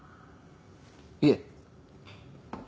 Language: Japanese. いえ。